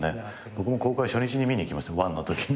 僕も公開初日に見に行きました１のとき。